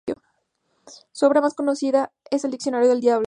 Su obra más conocida es el "Diccionario del Diablo".